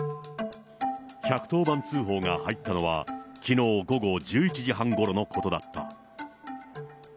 １１０番通報が入ったのは、きのう午後１１時半ごろのことだった。